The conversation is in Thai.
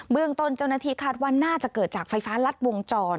เรื่องต้นเจ้าหน้าที่คาดว่าน่าจะเกิดจากไฟฟ้ารัดวงจร